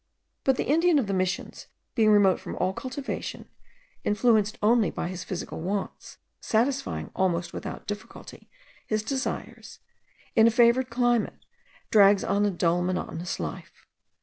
But the Indian of the Missions, being remote from all cultivation, influenced only by his physical wants, satisfying almost without difficulty his desires, in a favoured climate, drags on a dull, monotonous life.